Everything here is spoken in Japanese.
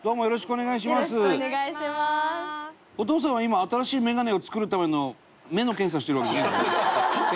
お父さんは今新しいメガネを作るための目の検査してるわけじゃないですよね？